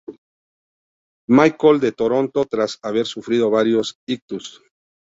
Michael de Toronto tras haber sufrido varios ictus.